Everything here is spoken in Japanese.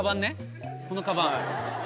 このカバン。